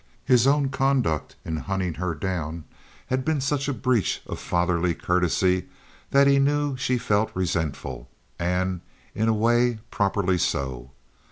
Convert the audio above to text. His own conduct in hunting her down had been such a breach of fatherly courtesy that he knew she felt resentful, and in a way properly so.